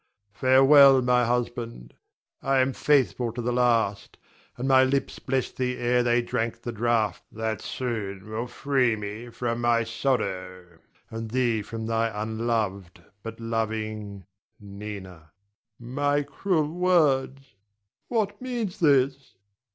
Farewell, my husband; I am faithful to the last, and my lips blessed thee ere they drank the draught that soon will free me from my sorrow, and thee from thy unloved but loving Nina. Adrian. My cruel words? What means this?